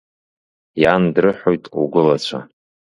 Иан дрыҳәоит лгәылацәа…